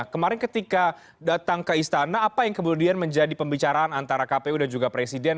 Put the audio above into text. kemarin ketika datang ke istana apa yang kemudian menjadi pembicaraan antara kpu dan juga presiden